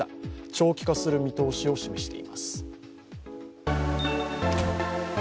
長期化する見通しを示しています。